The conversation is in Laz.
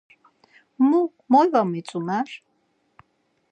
Mo, moy va mitzomer?